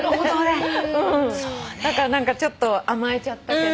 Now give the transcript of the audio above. だからちょっと甘えちゃったけど。